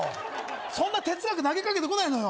そんな哲学投げかけてこないのよ